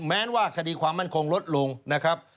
แม้ว่าคดีความมั่นคงลดลงนะครับ